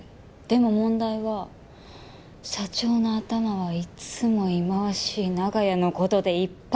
でも問題は社長の頭はいつも忌まわしい長屋の事でいっぱいだって事。